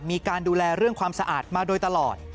มีการดูแลเรื่องความสะอาดมาโดยตลอด